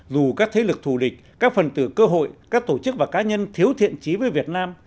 dù các thế lực thù địch các phần tử cơ hội các tổ chức và cá nhân thiếu thiện trí với việt nam